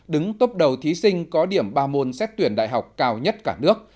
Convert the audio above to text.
đứng tốp đầu thí sinh có điểm ba môn xét tuyển đại học cao nhất cả nước